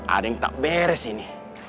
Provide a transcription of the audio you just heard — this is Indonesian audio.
ada yang tak beres ini